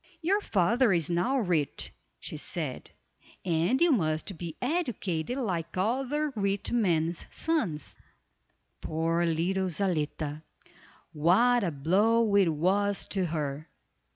"Your father is now rich," she said, "and you must be educated like other rich men's sons." Poor little Zaletta! What a blow it was to her.